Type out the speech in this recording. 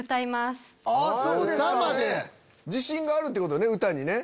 自信があるってことね？